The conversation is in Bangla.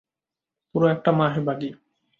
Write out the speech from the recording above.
পুরো একটা মাস বাকী।